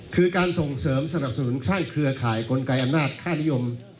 คือการส่งเสริมสนับสนุนสร้างเครือข่ายกลไกอำนาจค่านิยม